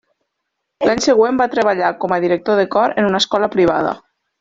L'any següent va treballar com a director de cor en una escola privada.